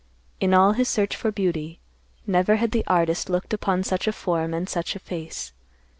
In all his search for beauty, never had the artist looked upon such a form and such a face.